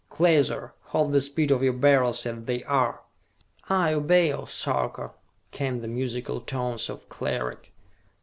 Klaser, hold the speed of your Beryls as they are!" "I obey, O Sarka!" came the musical tones of Cleric.